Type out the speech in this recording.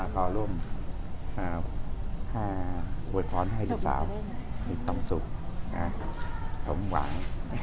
ขอร่วม๕บทพรให้สุขสาวต้องสุขท้องหวัง